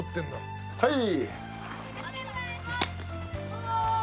はい。